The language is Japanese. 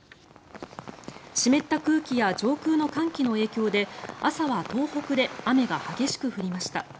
湿った空気や上空の寒気の影響で朝は東北で雨が激しく降りました。